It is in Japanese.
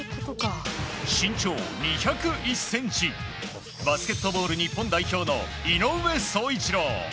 身長２０１ｃｍバスケットボール日本代表の井上宗一郎。